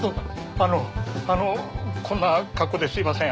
あのあのこんな格好ですみません。